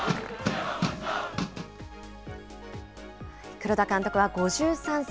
黒田監督は５３歳。